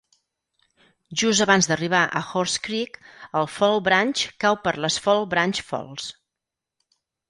Just abans d'arribar a Horse Creek, el Fall Branch cau per les Fall Branch Falls.